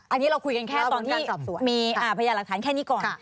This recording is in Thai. อันนี้เราคุยกันแค่ตอนที่มีพยานหลักฐานแค่นี้ก่อน